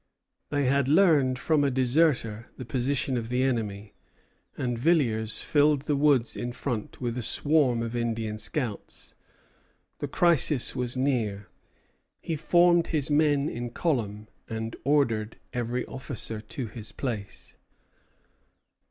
They had learned from a deserter the position of the enemy, and Villiers filled the woods in front with a swarm of Indian scouts. The crisis was near. He formed his men in column, and ordered every officer to his place.